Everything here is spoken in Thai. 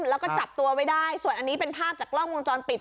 แล้วก็จับตัวไว้ได้ส่วนอันนี้เป็นภาพจากกล้องวงจรปิด